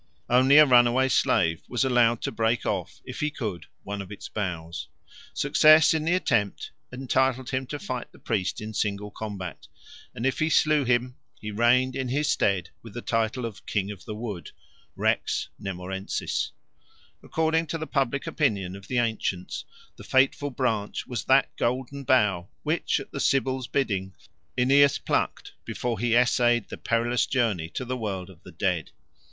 Only a runaway slave was allowed to break off, if he could, one of its boughs. Success in the attempt entitled him to fight the priest in single combat, and if he slew him he reigned in his stead with the title of King of the Wood (Rex Nemorensis). According to the public opinion of the ancients the fateful branch was that Golden Bough which, at the Sibyl's bidding, Aeneas plucked before he essayed the perilous journey to the world of the dead.